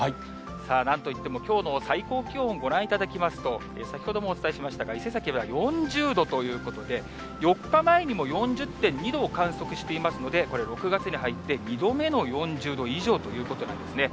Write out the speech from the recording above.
さあ、なんといってもきょうの最高気温、ご覧いただきますと、先ほどもお伝えしましたが、伊勢崎は４０度ということで、４日前にも４０．２度を観測していますので、これ、６月に入って２度目の４０度以上ということなんですね。